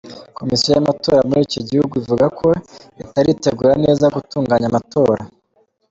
Komisiyo y’amatora muri icyo gihugu ivuga ko itaritegura neza gutunganya amatora.